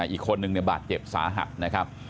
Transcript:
อีกคนนึงบาดเจ็บสาหัสนะครับ